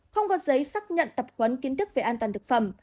không có giấy xác nhận tập huấn kiến thức về an toàn thực phẩm